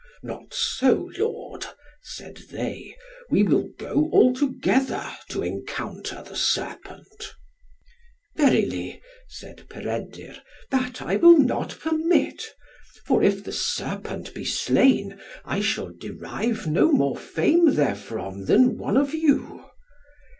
"Not so, lord," said they, "we will go altogether to encounter the serpent." "Verily," said Peredur, "that will I not permit; for if the serpent be slain, I shall derive no more fame therefrom than one of you."